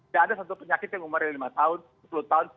tidak ada satu penyakit yang umurnya lima tahun sepuluh tahun